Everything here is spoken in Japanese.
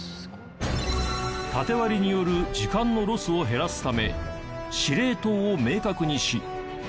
タテ割りによる時間のロスを減らすため司令塔を明確にし。